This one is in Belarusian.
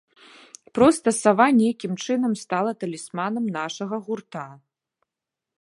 Проста сава нейкім чынам стала талісманам нашага гурта.